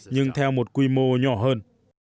nhưng theo một quy mô nhỏ hơn